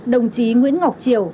đồng chí nguyễn ngọc triều